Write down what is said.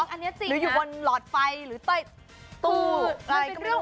อันนี้จริงหรืออยู่บนหลอดไฟหรือใต้ตู้อะไรก็ไม่รู้